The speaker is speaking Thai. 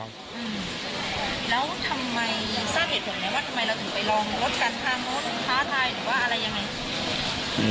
อืมแล้วทำไมทราบเหตุผลไหมว่าทำไมเราถึงไปลองรถกันทางนู้นท้าทายหรือว่าอะไรยังไง